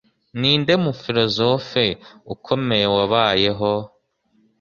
Ninde mufilozofe ukomeye wabayeho?